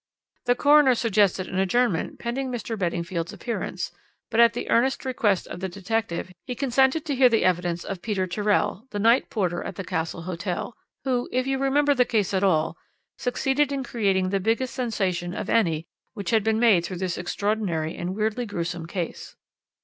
The coroner suggested an adjournment pending Mr. Beddingfield's appearance, but at the earnest request of the detective he consented to hear the evidence of Peter Tyrrell, the night porter at the Castle Hotel, who, if you remember the case at all, succeeded in creating the biggest sensation of any which had been made through this extraordinary and weirdly gruesome case.